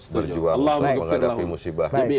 berjuang untuk menghadapi musibah